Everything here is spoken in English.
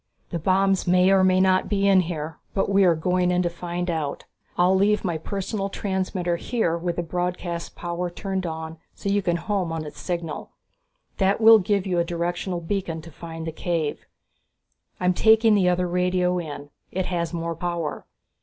"... The bombs may or may not be in here, but we are going in to find out. I'll leave my personal transmitter here with the broadcast power turned on, so you can home on its signal. That will give you a directional beacon to find the cave. I'm taking the other radio in it has more power.